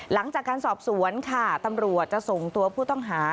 หลังจากการสอบสวนค่ะตำรวจจะส่งตัวผู้ต้องหา